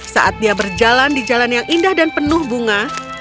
saat dia berjalan di jalan yang indah dan penuh bunga